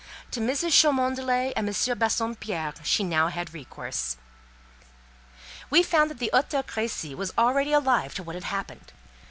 To Mrs. Cholmondeley and M. de Bassompierre she now had recourse. We found that the Hôtel Crécy was already alive to what had happened.